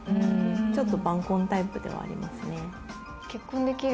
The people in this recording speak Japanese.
ちょっと晩婚タイプではありますね